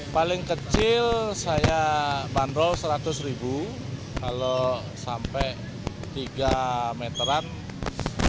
paling kecil saya bandrol rp seratus kalau sampai tiga meteran sampai rp enam